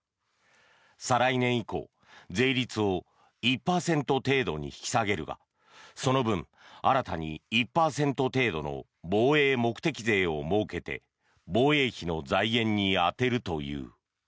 再来年以降税率を１％程度に引き下げるがその分、新たに１％程度の防衛目的税を設けて防衛費の財源に充てるという。